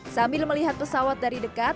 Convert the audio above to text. sambil melihat pesawat dari dekat